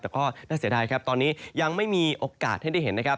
แต่ก็น่าเสียดายครับตอนนี้ยังไม่มีโอกาสให้ได้เห็นนะครับ